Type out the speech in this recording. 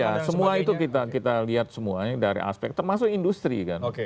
ya semua itu kita lihat semuanya dari aspek termasuk industri kan